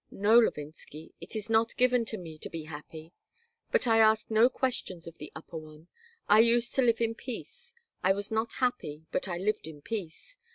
"No, Levinsky. It is not given to me to be happy. But I ask no questions of the Upper One. I used to live in peace. I was not happy, but I lived in peace.